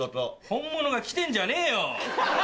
本物が来てんじゃねえよ！